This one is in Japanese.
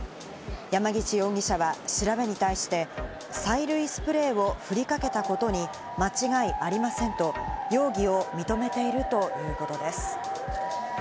山岸容疑者は調べに対して催涙スプレーをふりかけたことに間違いありませんと容疑を認めているということです。